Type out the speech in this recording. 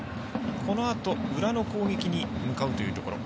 このあと裏の攻撃に向かうというところ。